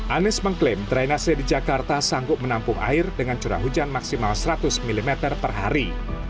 anies mengklaim drainase di jakarta sanggup menampung air dengan curah hujan maksimal seratus mm per hari